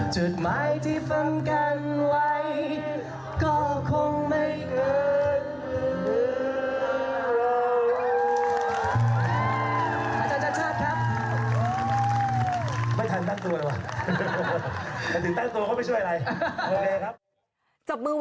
จุดหมายที่ฝันกันไหวก็คงไม่เกิดหลืม